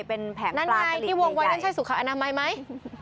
เป็นแผงปลากลิดใหญ่นั่นไงที่วงไว้นั่นใช่สุขอนามัยไหม